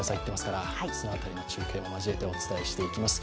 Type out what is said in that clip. その辺りも中継を交えてお伝えしていきます。